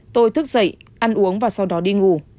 tôi thức dậy ăn uống và sau đó đi ngủ